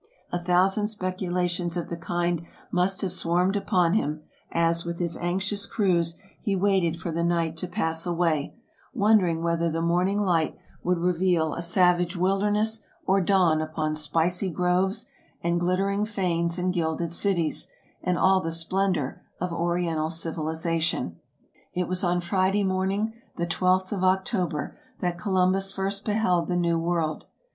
A thousand speculations of the kind must have swarmed upon him, as, with his anxious crews, he waited for the night to pass away ; wondering whether the morning light would reveal a savage wilderness, or dawn upon spicy groves, and glittering fanes and gilded cities, and all the splendor of Oriental civilization. VOL. VI. — 3 20 TRAVELERS AND EXPLORERS It was on Friday morning, the twelfth of October, that Columbus first beheld the New World.